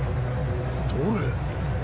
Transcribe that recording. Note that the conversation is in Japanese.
どれ？